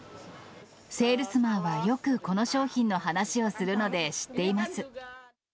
セールスマンはよくこの商品の話をするので知っています。